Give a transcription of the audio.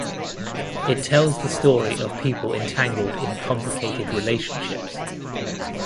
It tells the story of people entangled in complicated relationships.